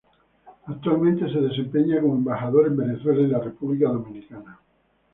Actualmente se desempeña como embajador en Venezuela y la República Dominicana.